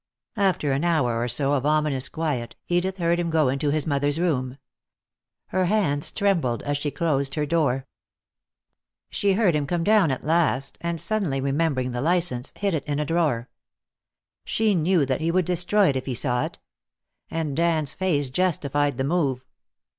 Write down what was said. After an hour or so of ominous quiet Edith heard him go into his mother's room. Her hands trembled as she closed her door. She heard him coming down at last, and suddenly remembering the license, hid it in a drawer. She knew that he would destroy it if he saw it. And Dan's face justified the move.